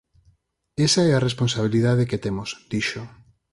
Esa é a responsabilidade que temos", dixo.